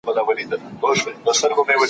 په ښکلیو نجونو چی ستایلی وم کابل نه یمه